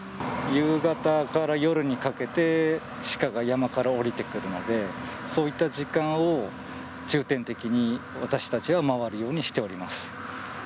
夕方から夜にかけて、シカが山から下りてくるので、そういった時間を重点的に私たちは回るようにしております。